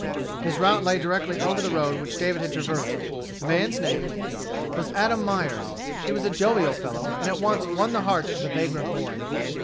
His route lay directly over the road which David had traversed. The man's name was Adam Myers. He was a jovial fellow, and at once won the heart of the vagrant boy.